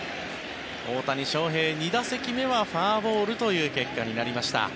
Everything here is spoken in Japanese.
大谷翔平、２打席目はフォアボールという結果になりました。